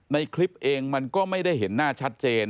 ในคลิปเองมันก็ไม่ได้เห็นหน้าชัดเจน